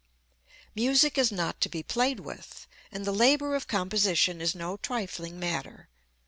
Music is not to be played with, and the labor of composition is no trifling matter.